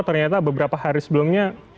ternyata beberapa hari sebelumnya